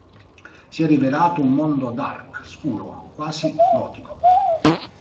Si è rivelato un mondo dark, scuro, quasi gotico.